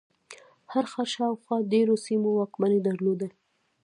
هر ښار شاوخوا ډېرو سیمو واکمني درلوده.